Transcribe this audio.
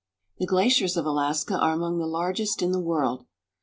The glaciers of Alaska are among the largest in the world.